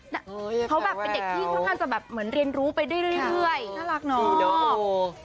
เธอแป๋วแววเธอแทนเธอจะแบบเหมือนเรียนรู้ไปเรื่อยเรื่อยน่ารักนอแบบนี้โห